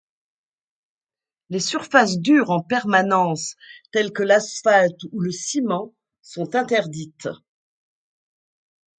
Les surfaces dures en permanence telles que l'asphalte ou le ciment sont interdites.